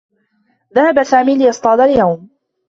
ذهب سامي ليصطاد اليوم.